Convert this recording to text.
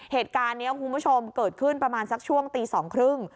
เหตุการณ์นี้คุณผู้ชมเกิดขึ้นประมาณสักช่วงตีสองครึ่ง